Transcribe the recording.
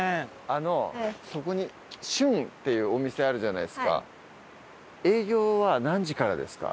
あのそこに旬っていうお店あるじゃないですか。